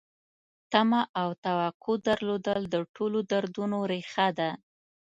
تمه او توقع درلودل د ټولو دردونو ریښه ده.